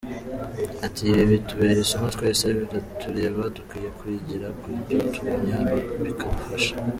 Ati “Ibi bitubere isomo, twese biratureba; dukwiye kwigira ku byo tubonye hano bikadufasha.